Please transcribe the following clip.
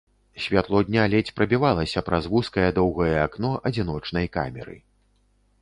Святло дня ледзь прабівалася праз вузкае доўгае акно адзіночнай камеры.